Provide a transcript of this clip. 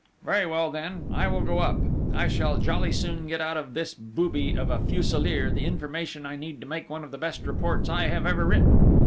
"Very well then, I will go up. I shall jolly soon get out of this booby of a Fuselier the information I need to make one of the best reports I have ever written.